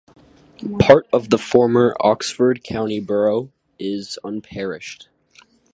Part of the former Oxford County Borough is unparished.